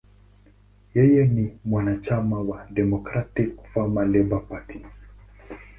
Yeye ni mwanachama wa Democratic–Farmer–Labor Party.